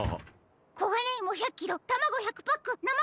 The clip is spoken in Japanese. こがねいも１００キロたまご１００パックなま